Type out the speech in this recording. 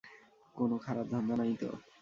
কোন খারাপ ধান্ধা নাইতো?